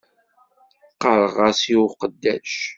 Ɣɣareɣ-as i uqeddac.